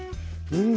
うん。